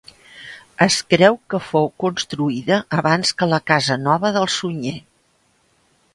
Es creu que fou construïda abans que la casa nova del Sunyer.